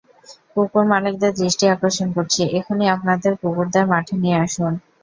কুকুর মালিকদের দৃষ্টি আকর্ষণ করছি এখনই আপনাদের কুকুরদের মাঠে নিয়ে আসুন।